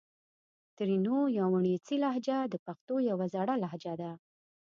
ترینو یا وڼېڅي لهجه د پښتو یو زړه لهجه ده